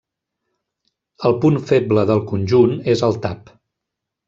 El punt feble del conjunt és el tap.